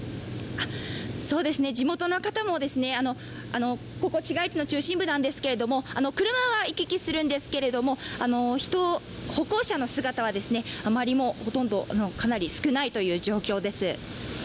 地元の方も、ここは市街地の中心部なんですけど車は行き来するんですが、歩行者の姿はあまりもう、ほとんどかなり少ないという状況です。